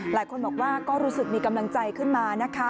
หลายคนบอกว่าก็รู้สึกมีกำลังใจขึ้นมานะคะ